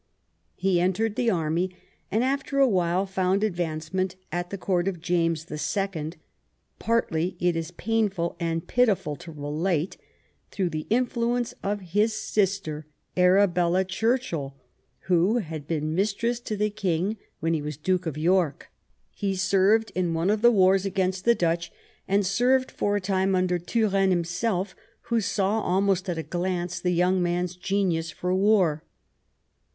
He entered the army, and after a while found advance ment at the court of James the Second — partly, it is painful and pitiful to relate, through the influence of his sister, Arabella Churchill, who had been mistress to the King when he was Duke of York. He served in one of the wars against the Dutch, and served for a time under Turenne himself, who saw almost at a glance the young man's genius for war.